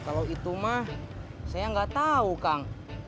kalau itu mah saya nggak tahu kang